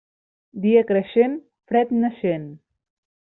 Dia creixent, fred naixent.